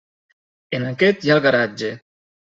En aquest hi ha el garatge.